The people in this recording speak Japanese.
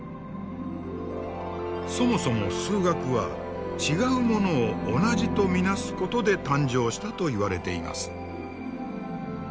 そもそも数学は違うものを同じと見なすことで誕生したといわれています。